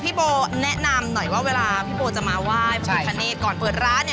พี่โบแนะนำหน่อยว่าเวลาพี่โบจะมาว่ายพวกคณก่อนเปิดร้าน